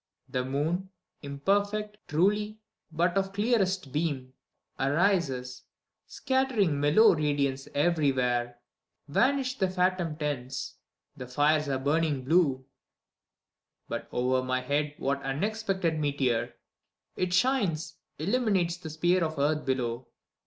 ... ACT II, «3 The moon, imperfect, truly, but of clearest beam, Arises, scattering mellow radiance everywhere: Vanish the phantom tents, the fires are burning blue. But o'er my head what unexpected meteor! It shines, illuminates the sphere of earth below.